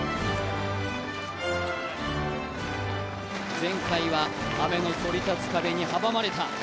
前回は雨のそり立つ壁に阻まれた。